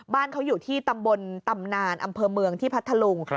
บ้านเขาอยู่ที่ตำบลตำนานอำเภอเมืองที่พัทธลุง